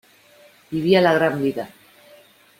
Vivía la gran vida